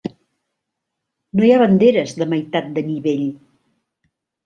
No hi ha banderes de meitat de nivell.